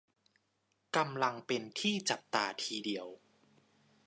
กำลังเป็นที่จับตาทีเดียว